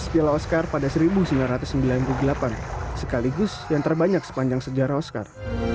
piala oscar pada seribu sembilan ratus sembilan puluh delapan sekaligus yang terbanyak sepanjang sejarah oscar